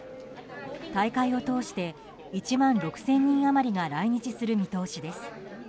大会をとおして１万６０００人余りが来日する見通しです。